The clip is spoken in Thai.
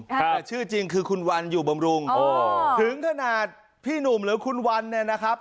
แต่ชื่อจริงคือคุณวันอยู่บำรุงถึงขนาดพี่หนุ่มหรือคุณวันเนี่ยนะครับ